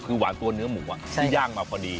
คือหวานตัวเนื้อหมูที่ย่างมาพอดี